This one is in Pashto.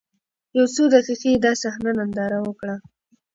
يو څو دقيقې يې دا صحنه ننداره وکړه.